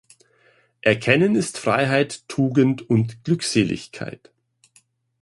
Erkennen ist Freiheit, Tugend und Glückseligkeit.